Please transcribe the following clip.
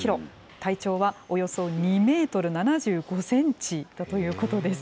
体長はおよそ２メートル７５センチだということです。